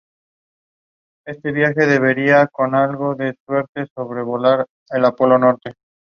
Habitualmente cada agente económico participa permanente y simultáneamente en multitud de relaciones económicas.